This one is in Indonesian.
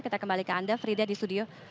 kita kembali ke anda frida di studio